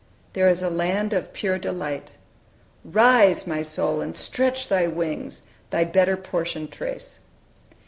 "There is a land of pure delight." "Rise, my soul, and stretch thy wings, Thy better portion trace!"